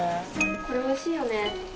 これおいしいよね。